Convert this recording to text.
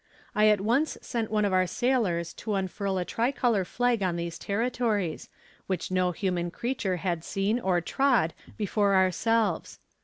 I at once sent one of our sailors to unfurl a tricolour flag on these territories, which no human creature had seen or trod before ourselves.